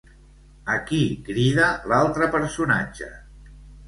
A qui crida l'altre personatge?